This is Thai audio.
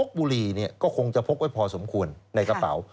บุรีก็คงจะพกไว้พอสมควรในกระเป๋า